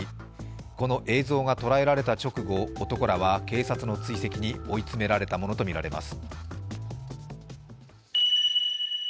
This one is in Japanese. この映像が捉えられた直後、男らは警察の追跡に追い詰められたものとみられます。